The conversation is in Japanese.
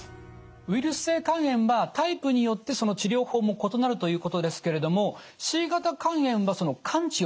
ウイルス性肝炎はタイプによってその治療法も異なるということですけれどもＣ型肝炎は完治を目指せるんですか？